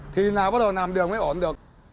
thì nào bắt đầu làm đường mới ổn được